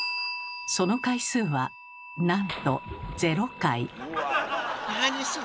その回数はなんと何それ。